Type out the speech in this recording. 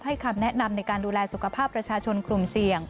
คำแนะนำในการดูแลสุขภาพประชาชนกลุ่มเสี่ยง